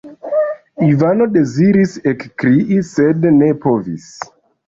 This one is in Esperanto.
Ivano deziris ekkrii, sed ne povis.